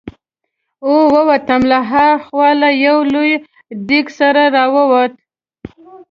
او ووتم، له ها خوا له یو لوی دېګ سره را ووت.